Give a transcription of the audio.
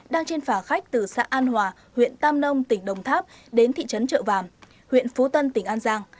đang trên phà khách từ xã an hòa huyện tam nông tỉnh đồng tháp đến thị trấn trợ vàm huyện phú tân tỉnh an giang